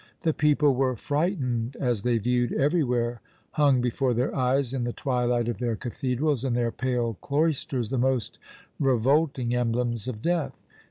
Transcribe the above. The people were frightened as they viewed, everywhere hung before their eyes, in the twilight of their cathedrals, and their "pale cloisters," the most revolting emblems of death.